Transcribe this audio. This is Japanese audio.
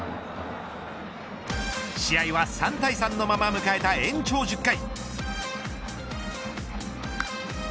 試合は３対３のまま迎えた延長１０回。